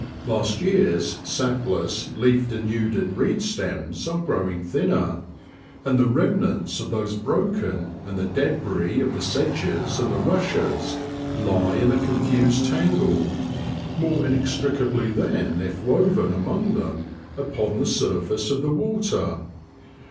Last year's sapless, leaf denuded reedstems are growing thinner, and the remnants of those broken, and the debris of the sedges and the rushes lie in a confused tangle, more inextricable than if woven among them, upon the surface of the water.